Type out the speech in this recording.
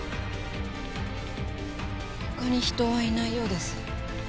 他に人はいないようです。